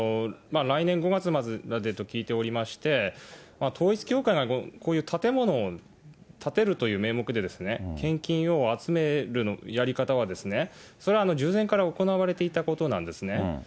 来年５月末と聞いておりまして、統一教会がこういう建物を建てるという名目で、献金を集めるやり方は、それは従前から行われていたことなんですね。